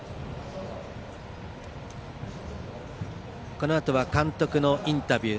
このあとは監督のインタビュー